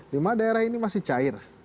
lima daerah ini masih cair